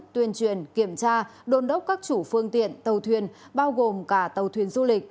tuyên truyền kiểm tra đôn đốc các chủ phương tiện tàu thuyền bao gồm cả tàu thuyền du lịch